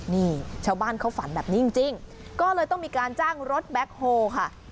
นี่ชาวบ้านเขาฝันแบบนี้จริงก็เลยต้องมีการจ้างรถแบ็คโฮค่ะ